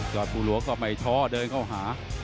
ยอดภูรวงศ์ก็ไปท้อเดินเข้าหา